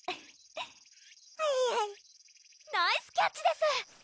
えるえるナイスキャッチです！